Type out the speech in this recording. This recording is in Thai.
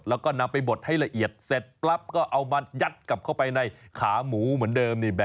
แล้วก็นำไปบดให้ละเอียดเสร็จปรับ